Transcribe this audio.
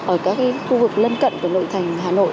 ở các khu vực lân cận của nội thành hà nội